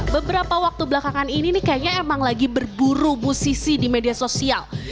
beberapa waktu belakangan ini nih kayaknya emang lagi berburu musisi di media sosial